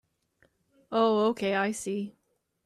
Oh okay, I see.